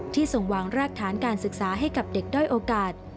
ส่งวางรากฐานการศึกษาให้กับเด็กด้อยโอกาส